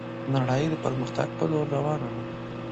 نړي د پرمختګ په لور روانه ده